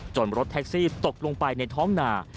รถแท็กซี่ตกลงไปในท้องหนา